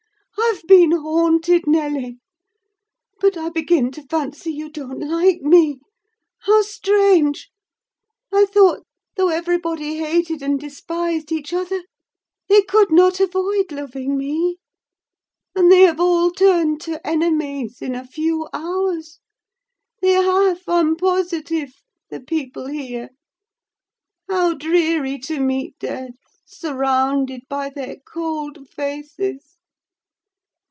I've been haunted, Nelly! But I begin to fancy you don't like me. How strange! I thought, though everybody hated and despised each other, they could not avoid loving me. And they have all turned to enemies in a few hours. They have, I'm positive; the people here. How dreary to meet death, surrounded by their cold faces!